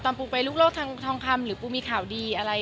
ตอนปูไปลูกรถทางคำหรือปูมีข่าวดีอะไร